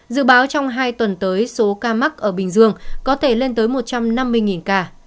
dự báo trong hai tuần tới số ca mắc ở bình dương có thể lên tới một trăm năm mươi ca